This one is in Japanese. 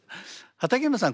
畠山さん